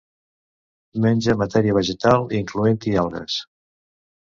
Menja matèria vegetal, incloent-hi algues.